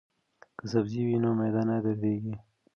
که سبزی وي نو معده نه دردیږي.